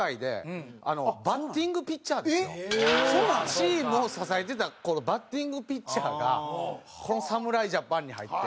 チームを支えてたバッティングピッチャーがこの侍ジャパンに入って。